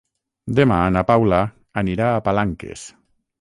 Demà na Paula anirà a Palanques.